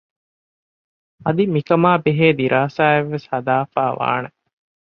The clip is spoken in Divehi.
އަދި މިކަމާ ބެހޭ ދިރާސާއެއް ވެސް ހަދައިފައިވާނެ